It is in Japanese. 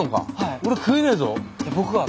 俺食えねえぞ。